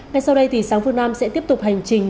ngay sau đây thì sáng phương nam sẽ tiếp tục hành trình